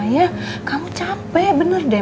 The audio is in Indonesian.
ya kamu capek bener deh